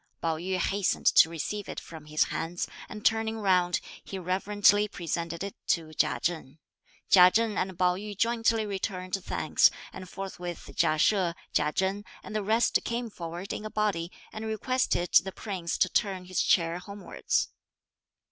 Pao yü hastened to receive it from his hands, and turning round, he reverently presented it to Chia Chen. Chia Chen and Pao yü jointly returned thanks; and forthwith Chia She, Chia Chen and the rest came forward in a body, and requested the Prince to turn his chair homewards.